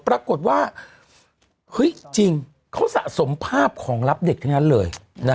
ปรากฏว่าเฮ้ยจริงเขาสะสมภาพของรับเด็กทั้งนั้นเลย